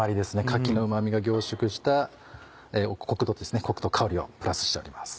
カキのうま味が凝縮したコクと香りをプラスしております。